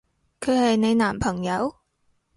佢係你男朋友？